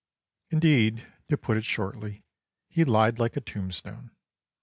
Indeed, to put it shortly, he lied like a tombstone.